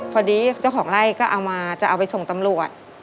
พอดีเจ้าของไล่ก็เอามาจะเอาไปส่งตำรวจ